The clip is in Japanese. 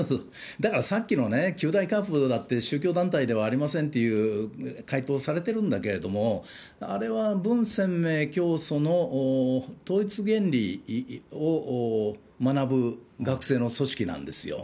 だからさっきのね、九大カープだって、宗教団体ではありませんっていう回答されてるんだけれども、あれは文鮮明教祖の統一原理を学ぶ学生の組織なんですよ。